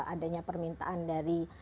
adanya permintaan dari